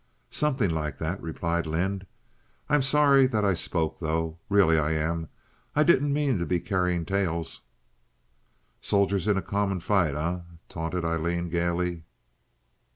"Something like that," replied Lynde. "I'm sorry that I spoke, though? really I am. I didn't mean to be carrying tales." "Soldiers in a common fight, eh?" taunted Aileen, gaily.